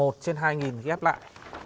một trên hai ghép lại